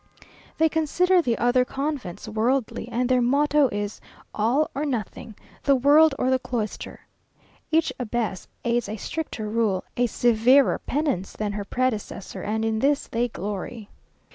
They consider the other convents worldly, and their motto is, "All or nothing; the world or the cloister." Each abbess adds a stricter rule, a severer penance than her predecessor, and in this they glory.